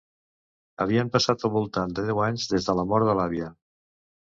Havien passat al voltant de deu anys des de la mort de l'àvia.